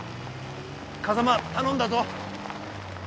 風真頼んだぞ！